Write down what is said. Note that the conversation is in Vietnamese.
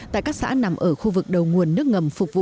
tại các xã nằm ở khu vực đầu nguồn nước ngầm phục vụ